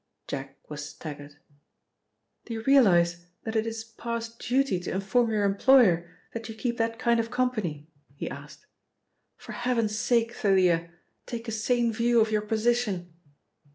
Jack was staggered. "Do you realise that it is Parr's duty to inform your employer that you keep that kind of company?" he asked. "For heaven's sake, Thalia, take a sane view of your position."